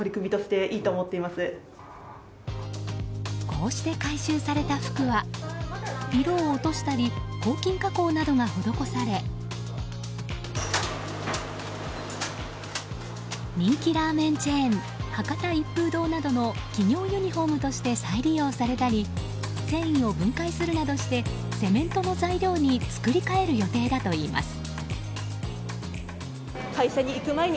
こうして回収された服は色を落としたり抗菌加工などが施され人気ラーメンチェーン博多一風堂などの企業ユニホームとして再利用されたり繊維を分解するなどしてセメントの材料に作り替える予定だといいます。